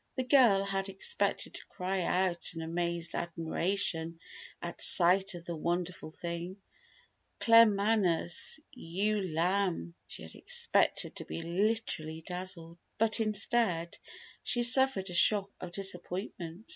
The girl had expected to cry out in amazed admiration at sight of the wonderful thing "Claremanagh's ewe lamb." She had expected to be literally dazzled. But instead, she suffered a shock of disappointment.